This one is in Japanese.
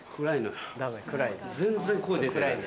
全然声出てない。